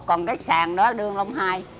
còn cái sàn đó là đường lông hai